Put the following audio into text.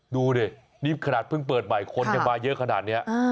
ดูดินี่ขนาดเพิ่งเปิดใหม่คนยังมาเยอะขนาดนี้